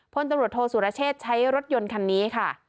พลตำรวจโทษสุรเชษใช้รถยนต์คันนี้ค่ะ